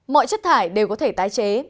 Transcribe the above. mọi chất thải đều có thể tái chế